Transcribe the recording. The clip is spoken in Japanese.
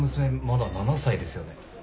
まだ７歳ですよね？